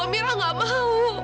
amira gak mau